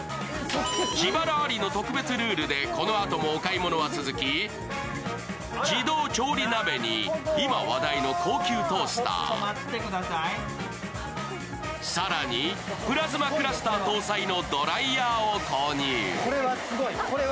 自腹ありの特別ルールでこのあともお買い物は続き自動調理鍋に今話題の高級トースター、更にプラズマクラスター搭載のドライヤーを購入。